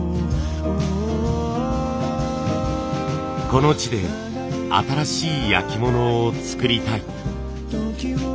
この地で新しい焼き物を作りたい。